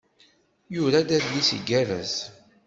Yura-d adlis igerrez.